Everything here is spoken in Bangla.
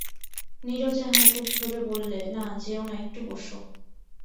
নীরজা হাতে ধরে বললে, না, যেয়ো না, একটু বোসো।